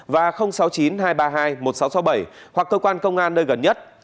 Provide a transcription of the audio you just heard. và sáu mươi chín hai trăm ba mươi hai một nghìn sáu trăm sáu mươi bảy hoặc cơ quan công an nơi gần nhất